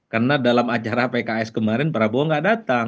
karena dalam acara pks kemarin prabowo nggak datang